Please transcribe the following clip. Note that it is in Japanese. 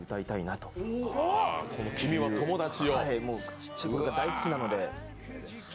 ちっちゃいころから大好きなので。